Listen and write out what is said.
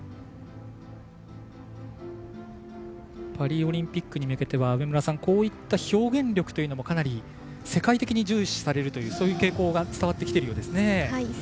パリオリンピックに向けてはこういった表現力というのもかなり世界的に重視される傾向が伝わってきているようですね。